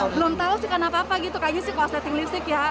belum tahu sih kenapa apa gitu kayaknya sih korsleting listrik ya